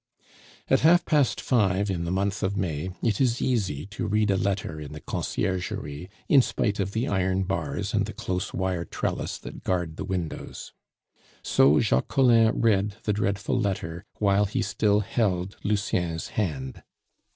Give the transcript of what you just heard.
At half past five in the month of May it is easy to read a letter in the Conciergerie in spite of the iron bars and the close wire trellis that guard the windows. So Jacques Collin read the dreadful letter while he still held Lucien's hand.